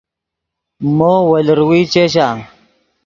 مو وو لروئے چشآ؟